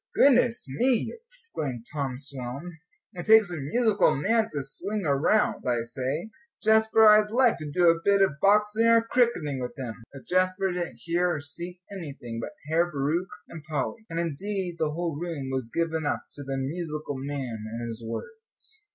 "Goodness me!" exclaimed Tom Selwyn, "it takes a musical man to sling around. I say, Jasper, I'd like to do a bit of boxing or cricketing with him." But Jasper didn't hear or see anything but Herr Bauricke and Polly; and, indeed, the whole room was given up to the "musical man" and his words.